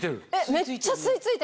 めっちゃ吸い付いてます。